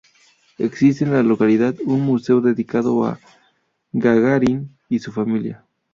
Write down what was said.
Existe en la localidad un museo dedicado a Gagarin y su familia.